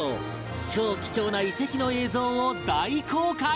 超貴重な遺跡の映像を大公開